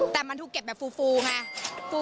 แต่มันถูกเก็บแบบฟูไง